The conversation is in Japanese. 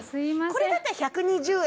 これだったら１２０円。